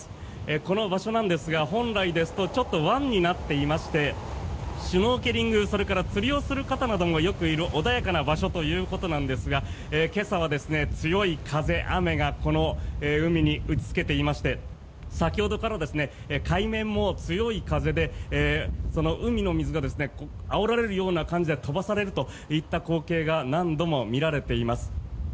この場所なんですが本来ですとちょっと湾になっていましてシュノーケリングそれから釣りをする方などもよくいる穏やかな場所ということなんですが今朝は強い風、雨がこの海に打ちつけていまして先ほどから海面も強い風で海の水があおられるような感じで飛ばされるといった光景が何度も見られています。